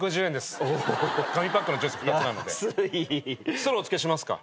ストローお付けしますか？